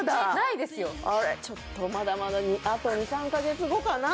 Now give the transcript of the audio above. ちょっとまだまだあと２３カ月後かな？